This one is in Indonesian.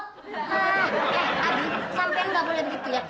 eh abi sampingan enggak boleh begitu ya